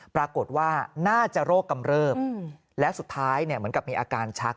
ปรากฏว่าน่าจะโรคกำเริบและสุดท้ายเหมือนกับมีอาการชัก